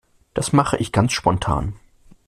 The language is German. Das mache ich ganz spontan.